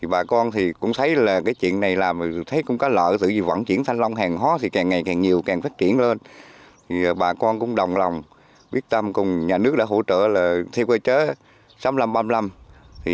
bà con cũng đồng lòng viết tâm cùng nhà nước đã hỗ trợ theo quy chế sáu nghìn năm trăm ba mươi năm